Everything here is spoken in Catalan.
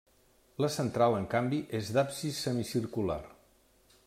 La central, en canvi, és d'absis semicircular.